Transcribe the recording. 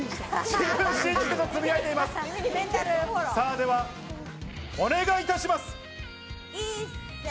ではお願いいたします。